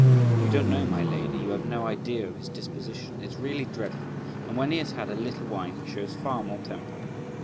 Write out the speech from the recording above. You don't know, my lady, you have no idea of his disposition! it's really dreadful; and when he has had a little wine he shows far more temper.